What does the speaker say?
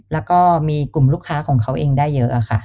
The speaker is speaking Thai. แล้วก็มีกลุ่มลูกค้าของเขาเองได้เยอะค่ะ